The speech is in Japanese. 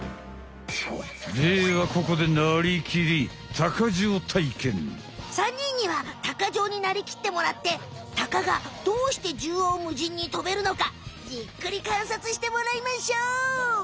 ではここで３にんには鷹匠になりきってもらってタカがどうしてじゅうおうむじんにとべるのかじっくりかんさつしてもらいましょう。